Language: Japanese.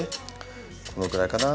このくらいかな。